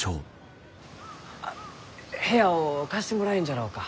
部屋を貸してもらえんじゃろうか？